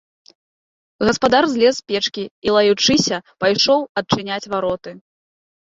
Гаспадар злез з печкі і, лаючыся, пайшоў адчыняць вароты.